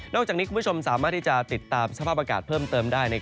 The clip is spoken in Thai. จากนี้คุณผู้ชมสามารถที่จะติดตามสภาพอากาศเพิ่มเติมได้